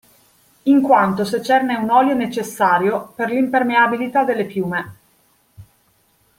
In quanto secerne un olio necessario per l'impermeabilità delle piume.